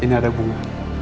ini ada bunga